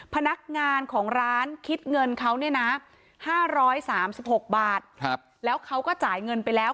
พนักงานของร้านคิดเงินเขาเนี่ยนะ๕๓๖บาทแล้วเขาก็จ่ายเงินไปแล้ว